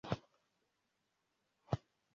Umukobwa azunguruka kumunsi mwiza